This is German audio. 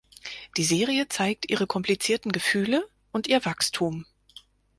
Die Serie zeigt ihre komplizierten Gefühle und ihr Wachstum.